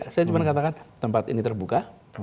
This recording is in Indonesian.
saya cuma katakan tempat ini terbuka